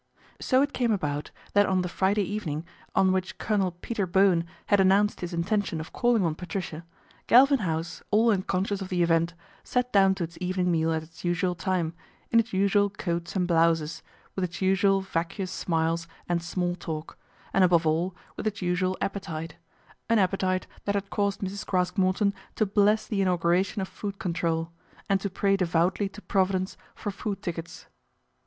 So it came about that on the Friday evening on which Colonel Peter Bowen had announced his intention of calling on Patricia, Galvin House, all unconscious of the event, sat down to its evening meal at its usual time, in its usual coats and blouses, with its usual vacuous smiles and small talk, and above all with its usual appetite an appetite that had caused Mrs. Craske Morton to bless the inauguration of food control, and to pray devoutly to Providence for food tickets.